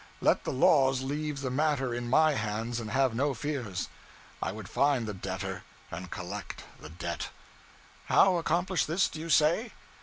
Let the laws leave the matter in my hands, and have no fears: I would find the debtor and collect the debt. How accomplish this, do you say?